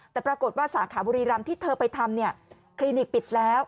แต่ปรากฏว่าสาขาบุรีรำที่เธอไปทำเนี่ยคลินิกปิดแล้ว